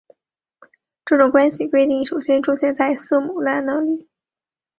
这种关系规定首先出现在塞姆勒那里。